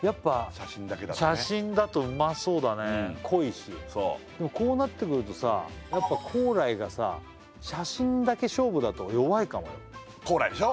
写真だけだとね濃いしでもこうなってくるとさやっぱ光来がさ写真だけ勝負だと弱いかもよ光来でしょ